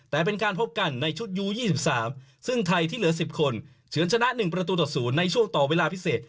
แต่เป็นการพบกันในชุดยู๒๓ซึ่งไทยที่เหลือ๑๐คนเฉินชนะ๑ประตูต่อ๐ในช่วงต่อเวลาพิเศษ